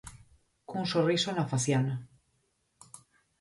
Cun sorriso na faciana.